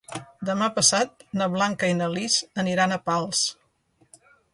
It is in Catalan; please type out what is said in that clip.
Demà passat na Blanca i na Lis aniran a Pals.